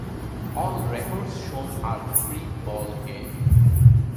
All records shown are pre-bowl game.